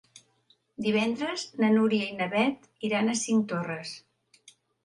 Divendres na Núria i na Beth iran a Cinctorres.